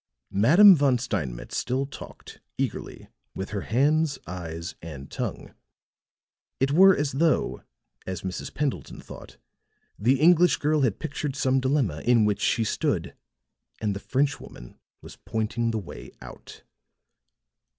Madame Von Steinmetz still talked, eagerly, with her hands, eyes and tongue. It were as though, as Mrs. Pendleton thought, the English girl had pictured some dilemma in which she stood and the French woman was pointing the way out.